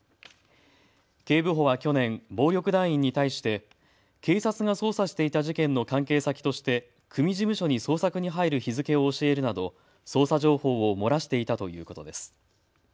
警部補は去年、暴力団員に対して警察が捜査していた事件の関係先として組事務所に捜索に入る日付を教えるなど捜査情報を漏らしていたということです。